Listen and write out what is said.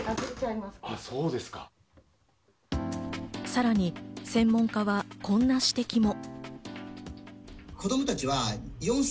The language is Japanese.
さらに専門家はこんな指摘も。